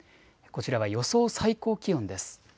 こちらは予想最高気温です。